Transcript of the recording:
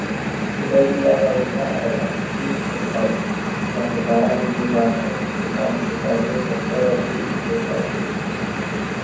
Kedai tua lainnya adalah Ingleside, yang sekarang dibangun kembali sebagai toko roti Ingleside.